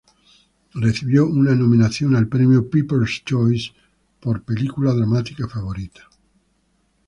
Recibió una nominación al Premio People's Choice por Película dramática favorita.